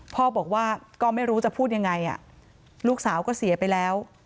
พ่อบอกว่าก็ไม่รู้จะพูดยังไงลูกสาวก็เสียไปแล้ว